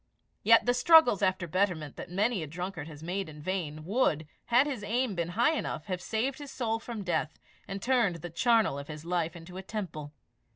Yet the struggles after betterment that many a drunkard has made in vain, would, had his aim been high enough, have saved his soul from death, and turned the charnel of his life into a temple.